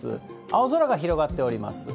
青空が広がっております。